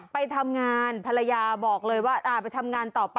ไปทำงานภรรยาบอกเลยว่าไปทำงานต่อไป